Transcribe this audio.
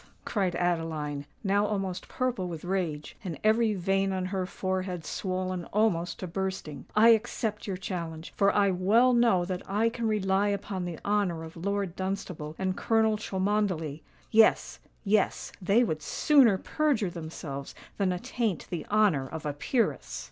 cried Adeline, now almost purple with rage, and every vein on her forehead swollen almost to bursting. "I accept your challenge—for I well know that I can rely upon the honour of Lord Dunstable and Colonel Cholmondeley. Yes—yes: they would sooner perjure themselves than attaint the honour of a peeress!"